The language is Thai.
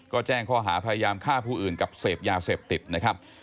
ก็แจ้งข้อหาพยายามฆ่าผู้อื่นกับเสพยาเสพติดนะครับ